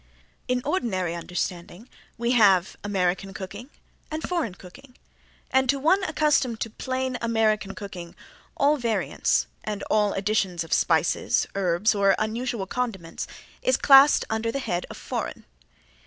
In ordinary understanding we have American cooking and Foreign cooking, and to one accustomed to plain American cooking, all variants, and all additions of spices, herbs, or unusual condiments is classed under the head of Foreign.